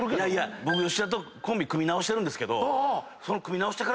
僕吉田とコンビ組み直してるんですけど。